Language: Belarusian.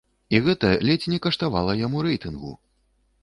І гэта ледзь не каштавала яму рэйтынгу!